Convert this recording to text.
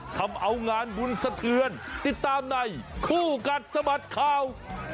ทำเอางานบุญสะเทือนติดตามในคู่กัดสะบัดข่าว